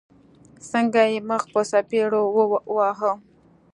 څنګه يې مخ په څپېړو واهه.